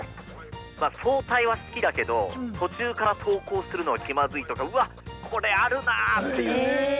まあ早退は好きだけど途中から登校するのは気まずいとかうわっこれあるなっていう感じだったんですよ。